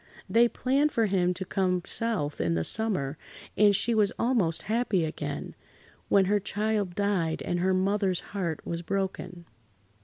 They planned for him to come South in the summer, and she was almost happy [Pg 72]again, when her child died and her mother's heart was broken.